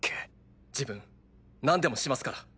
自分何でもしますから。